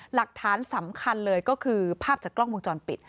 หลักฐานสำคัญเลยก็คือภาพจากกล้องวงจรปิด